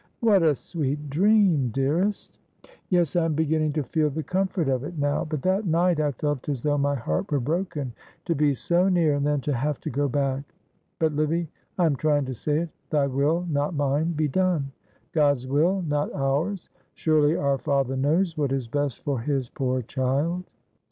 "What a sweet dream, dearest!" "Yes, I am beginning to feel the comfort of it now; but that night I felt as though my heart were broken to be so near and then to have to go back; but, Livy, I am trying to say it 'Thy will, not mine, be done.' God's will not ours; surely our Father knows what is best for His poor child."